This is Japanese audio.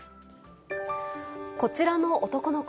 こちらの男の子。